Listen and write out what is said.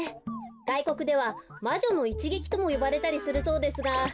がいこくでは「まじょのいちげき」ともよばれたりするそうですが。